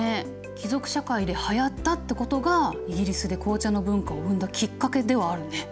貴族社会ではやったってことがイギリスで紅茶の文化を生んだきっかけではあるね。